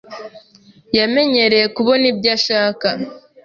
Yamenyereye kubona ibyo ashaka.